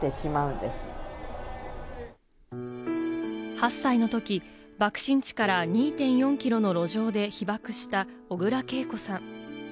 ８歳のとき、爆心地から２．４キロの路上で被爆した小倉桂子さん。